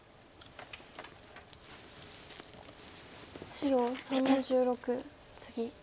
白３の十六ツギ。